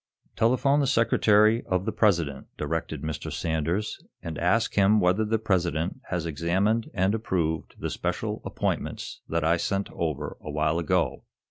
"Telephone the secretary of the President," directed Mr. Sanders, "and ask him whether the President has examined and approved the special appointments that I sent over a while ago."